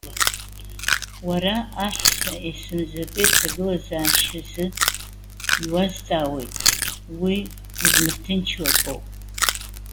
Уара аҳәса есымзатәи рҭагылазашьазы иуазҵаауеит. Уи узмырҭынчуа акоуп.